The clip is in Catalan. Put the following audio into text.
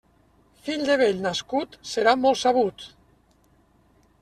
Fill de vell nascut serà molt sabut.